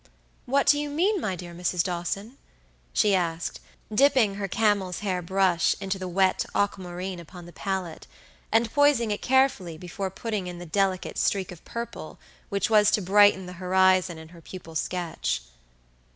"What do you mean, my dear Mrs. Dawson?" she asked, dipping her camel's hair brush into the wet aquamarine upon the palette, and poising it carefully before putting in the delicate streak of purple which was to brighten the horizon in her pupil's sketch.